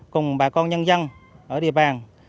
cùng bà con nhân dân ở địa bàn